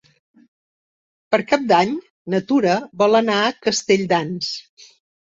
Per Cap d'Any na Tura vol anar a Castelldans.